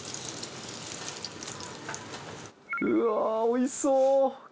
うわっおいしそう！